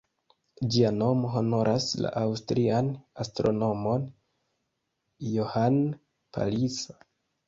Ĝia nomo honoras la aŭstrian astronomon Johann Palisa.